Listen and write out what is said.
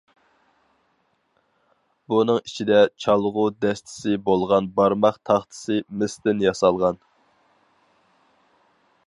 بۇنىڭ ئىچىدە چالغۇ دەستىسى بولغان بارماق تاختىسى مىستىن ياسالغان.